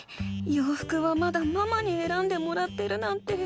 ようふくはまだママにえらんでもらってるなんて。